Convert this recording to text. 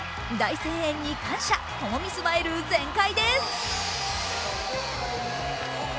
大声援に感謝、朋美スマイル全開です。